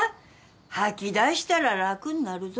吐き出したら楽になるぞ。